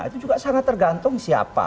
itu juga sangat tergantung siapa